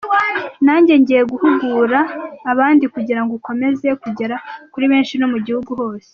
Nanjye ngiye guhugura abandi kugira ngo ukomeze kugera kuri benshi no mu gihugu hose.